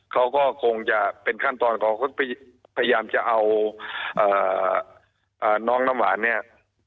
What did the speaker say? เขาก็คงจะเป็นขั้นตอนของพยายามจะเอาน้องน้ำหวานเนี่ย